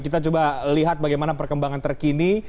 kita coba lihat bagaimana perkembangan terkini